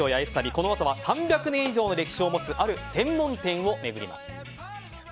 このあとは３００年以上の歴史を持つある専門店を巡ります。